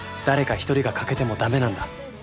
誰か一人が欠けても駄目なんだ。